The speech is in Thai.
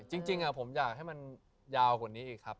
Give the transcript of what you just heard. จริงผมอยากให้มันยาวกว่านี้อีกครับ